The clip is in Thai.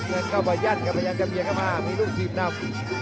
ถุงเงินเข้าไปยั่นก็ไปยั่นกับเบียนเข้ามามีลูกทีมนับ